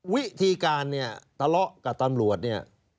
วิธีการเนี่ยทะเลาะกับตำรวจเนี่ย